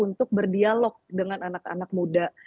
untuk berdialog dengan anak anak muda